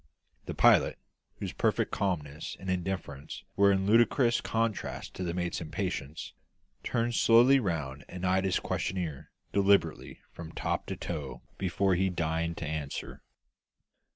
The pilot, whose perfect calmness and indifference were in ludicrous contrast to the mate's impatience, turned slowly round and eyed his questioner deliberately from top to toe before he deigned to answer.